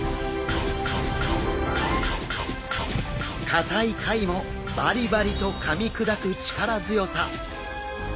硬い貝もバリバリとかみ砕く力強さ。